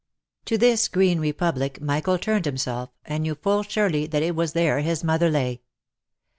To this green republic Michael turned himself, and knew full surely that it was there his mother lay.